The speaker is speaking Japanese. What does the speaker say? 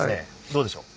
どうでしょう。